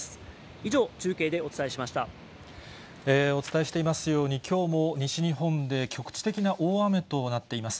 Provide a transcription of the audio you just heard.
以上、お伝えしていますように、きょうも西日本で局地的な大雨となっています。